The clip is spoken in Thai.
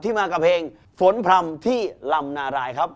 มากับเพลงฝนพร่ำที่ลำนารายครับ